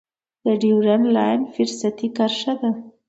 ډیورنډ لاین فرضي کرښه ده